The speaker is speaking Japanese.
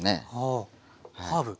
あハーブ。